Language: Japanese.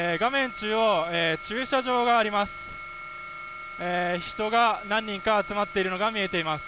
中央、駐車場があります。